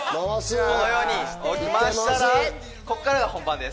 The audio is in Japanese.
このように回したら、ここからが本番です。